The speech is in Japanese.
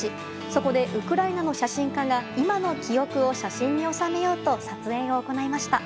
そこで、ウクライナの写真家が今の記憶を写真に収めようと撮影を行いました。